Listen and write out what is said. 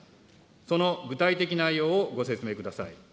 その具体的内容をご説明ください。